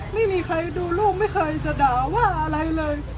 ไม่มีใครดูลูกไม่เคยจะด่าว่าอะไรเลย